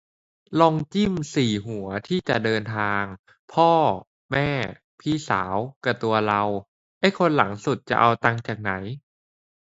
ลองจิ้มสี่หัวที่จะเดินทาง พ่อ แม่ พี่สาว กะตัวเรา ไอ้คนหลังสุดจะเอาตังค์จากไหน